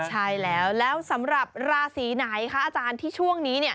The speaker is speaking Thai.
ใช่แล้วแล้วสำหรับราศีไหนคะอาจารย์ที่ช่วงนี้เนี่ย